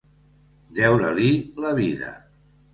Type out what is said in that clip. Deure-li la vida.